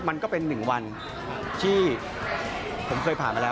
มันก็เป็นหนึ่งวันที่ผมเคยผ่านมาแล้ว